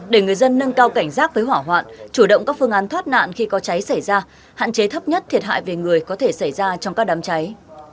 để người dân nâng cao cảnh giác với hỏa hoạn chủ động các phương án thoát nạn khi có cháy xảy ra hạn chế thấp nhất thiệt hại về người có thể xảy ra trong các đám cháy